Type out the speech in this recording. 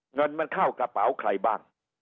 เงินมันเข้ากระเป๋าใครบ้าง